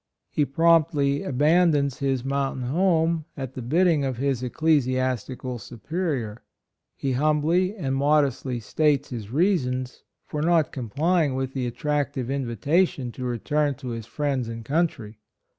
He promptly abandons his mountain home at the bidding of his ecclesiastical superior. He humbly and modestly states his *" The Czar and his Court." 64 HIS COLONY, reasons for not complying with the attractive invitation to return to his friends and country.